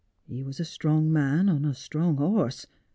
He was a strong man, on a strong horse.